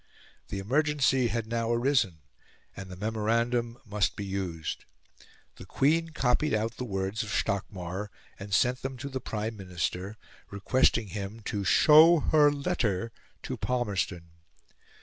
The emergency had now arisen, and the memorandum must be used. The Queen copied out the words of Stockmar, and sent them to the Prime Minister, requesting him to show her letter to Palmerston.